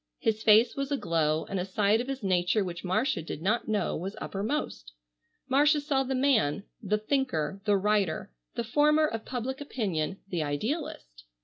His face was aglow and a side of his nature which Marcia did not know was uppermost. Marcia saw the man, the thinker, the writer, the former of public opinion, the idealist.